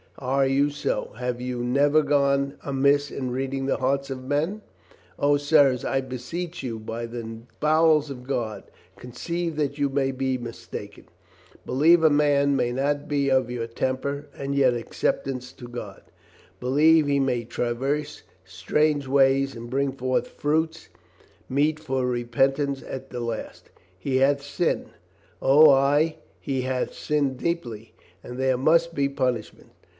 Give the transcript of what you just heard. "Are you so? Have you never gone amiss in read ing the hearts of men ? O, sirs, I beseech you by the bowels of God, conceive that you may be mistaken ! Believe a man may not be of your temper and yet acceptable to God. Believe he may traverse strange ways and bring forth fruits meet for repentance at the last. He hath sinned; O, ay, he hath sinned deeply, and there must be punishment.